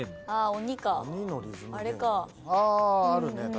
ああるね。